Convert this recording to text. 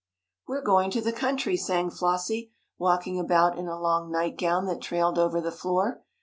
"We're going to the country!" sang Flossie, walking about in a long night gown that trailed over the floor.